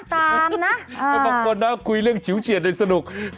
ตามนะบางคนนะคุยเรื่องฉิวเฉียดได้สนุก